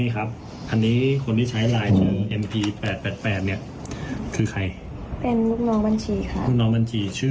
การพันนั้น